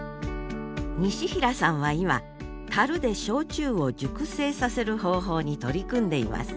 西平さんは今樽で焼酎を熟成させる方法に取り組んでいます